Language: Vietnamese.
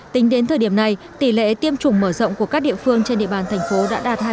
tính đến thời điểm này tỷ lệ tiêm chủng mở rộng của các địa phương trên địa bàn thành phố đã đạt hai mươi